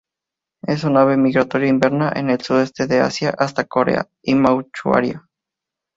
Es un ave migratoria, inverna en el sudeste de Asia, hasta Corea y Manchuria.